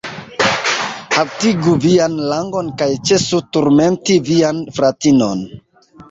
Haltigu vian langon kaj ĉesu turmenti vian fratinon.